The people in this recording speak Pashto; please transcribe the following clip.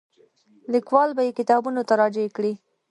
لیکوال به یې کتابونو ته راجع کړي.